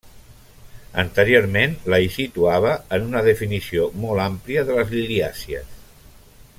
Anteriorment la hi situava en una definició molt àmplia de les liliàcies.